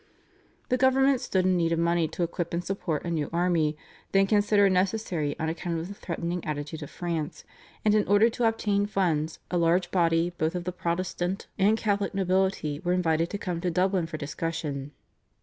The government stood in need of money to equip and support a new army, then considered necessary on account of the threatening attitude of France, and in order to obtain funds a large body both of the Protestant and Catholic nobility were invited to come to Dublin for discussion.